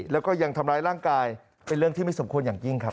แล้วก็ยังทำร้ายร่างกายเป็นเรื่องที่ไม่สมควรอย่างยิ่งครับ